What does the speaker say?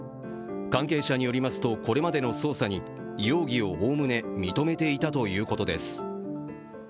関係者によりますと、これまでの捜査に容疑をおおむね認めていたということです。